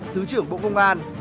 thứ trưởng bộ công an